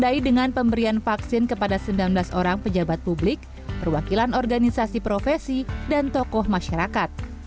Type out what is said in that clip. didai dengan pemberian vaksin kepada sembilan belas orang pejabat publik perwakilan organisasi profesi dan tokoh masyarakat